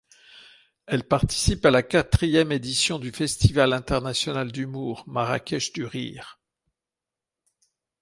Elle participe à la quatrième édition du festival international d'humour Marrakech du rire.